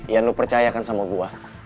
ian lu percayakan sama gua